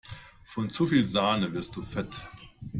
Von zu viel Sahne wirst du fett!